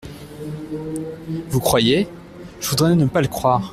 Vous croyez ? Je voudrais ne pas le croire.